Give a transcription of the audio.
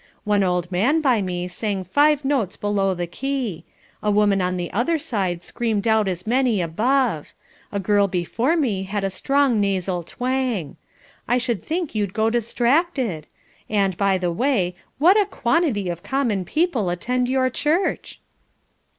One old man by me sang five notes below the key; a woman on the other side screamed out as many above; a girl before me had a strong nasal twang. I should think you'd go distracted; and, by the way, what a quantity of common people attend your church!"